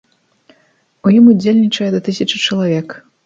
У ім удзельнічае да тысячы чалавек.